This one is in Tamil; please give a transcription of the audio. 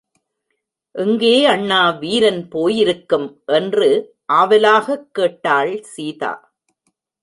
எங்கே அண்ணா வீரன் போயிருக்கும் என்று ஆவலாகக் கேட்டாள் சீதா.